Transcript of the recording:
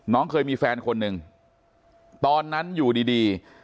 น้องเคยมีแฟนคนนึงตอนนั้นอยู่ดี